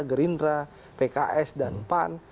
gerindra pks dan pan